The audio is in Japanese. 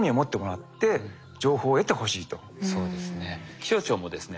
気象庁もですね